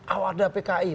awal ada pki